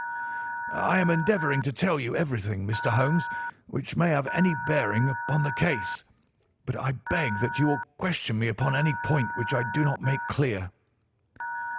"I am endeavouring to tell you everything, Mr. Holmes, which may have any bearing upon the case, but I beg that you will question me upon any point which I do not make clear."